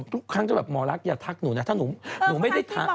ทุกครั้งจะแบบหมอรักอย่าทักหนูนะ